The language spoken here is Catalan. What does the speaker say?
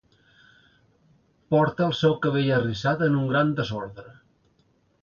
Porta el seu cabell arrissat en un gran desordre.